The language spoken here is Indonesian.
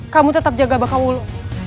kamu tetap jaga bakal ulu